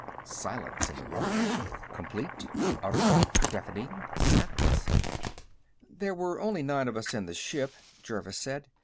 Silence in the room. Complete, utter, deafening silence. "There were only nine of us in the ship," Jervis said.